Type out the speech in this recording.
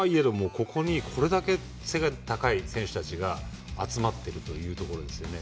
ここにこれだけ背が高い選手たちが集まっているというところですよね。